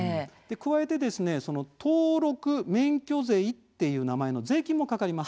加えて登録免許税っていう名前の税金もかかります。